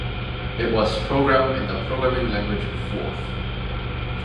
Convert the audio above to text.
It was programmed in the programming language Forth.